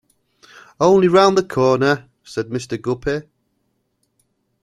"Only round the corner," said Mr. Guppy.